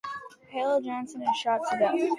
Hale Johnson is Shot to Death.